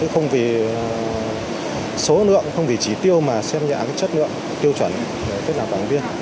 không vì số lượng không vì trí tiêu mà xem nhạc chất lượng tiêu chuẩn để kết nạp đảng viên